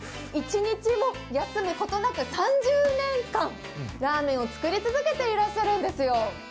一日も休むことなく３０年間、ラーメンを作り続けていらっしゃるんですよ。